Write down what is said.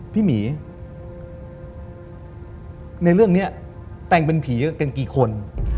หมีในเรื่องนี้แต่งเป็นผีกันกี่คน